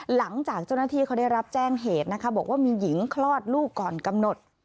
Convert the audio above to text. หลังจากเจ้าหน้าที่เขาได้รับแจ้งเหตุนะคะบอกว่ามีหญิงคลอดลูกก่อนกำหนด